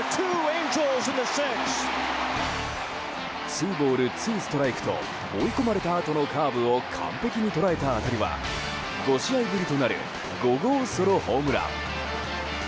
ツーボール、ツーストライクと追い込まれたあとのカーブを完璧に捉えた当たりは５試合ぶりとなる５号ソロホームラン。